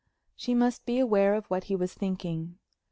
She must be aware of what he was thinking.